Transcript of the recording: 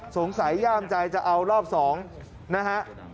สงสัยย่ามใจจะเอารอบ๒นะครับ